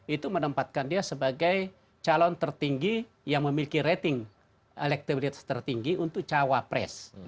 itu menempatkan dia sebagai calon tertinggi yang memiliki rating elektabilitas tertinggi untuk cawapres